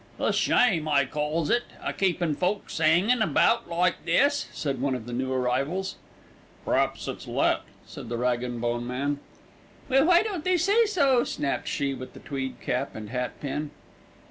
"A shame I calls it, a keepin' folks 'angin' about like this," said one of the new arrivals. "P'raps it's let," said the rag and bone man. "Well, why don't they say so?" snapped she with the tweed cap and hat pin.